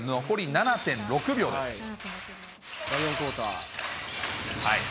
残り７．６秒です。